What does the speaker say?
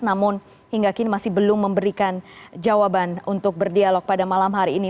namun hingga kini masih belum memberikan jawaban untuk berdialog pada malam hari ini